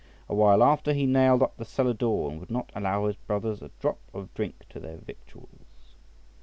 A while after he nailed up the cellar door, and would not allow his brothers a drop of drink to their victuals .